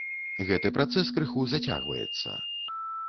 Гэты працэс крыху зацягваецца.